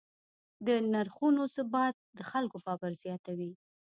د نرخونو ثبات د خلکو باور زیاتوي.